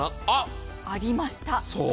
あっ、ありました。